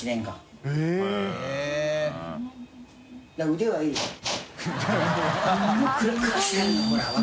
「腕はいい」